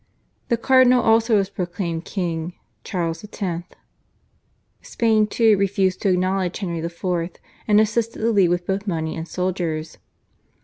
The Cardinal also was proclaimed king (Charles X.). Spain, too, refused to acknowledge Henry IV., and assisted the League with both money and soldiers.